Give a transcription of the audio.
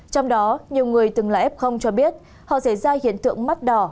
trong đó nhiều người từng là f cho biết họ xảy ra hiện tượng mắt đỏ